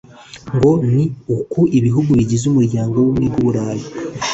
ngo ni uko ibihugu bigize Umuryango w’Ubumwe bw’u Burayi